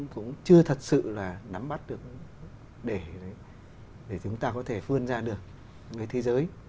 cũng chưa thật sự là nắm bắt được để chúng ta có thể vươn ra được cái thế giới